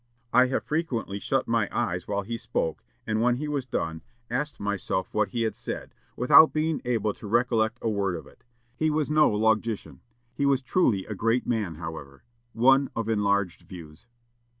I have frequently shut my eyes while he spoke, and, when he was done, asked myself what he had said, without being able to recollect a word of it. He was no logician. He was truly a great man, however, one of enlarged views."